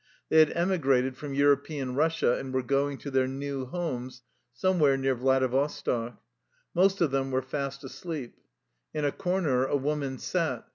They had emigrated from European Eussia and were go ing to their new homes, somewhere near Vladi vostok. Most of them were fast asleep. In a corner a woman sat.